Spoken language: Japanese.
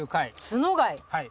角貝。